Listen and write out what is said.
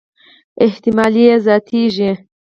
احتمالي یې زياتېږي.